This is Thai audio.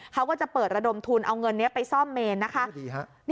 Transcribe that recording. เขาก็จะเปิดระดมทุนเอาเงินนี้ไปซ่อมเมนนะคะ